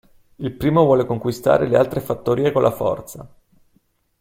Il primo vuole conquistare le altre fattorie con la forza.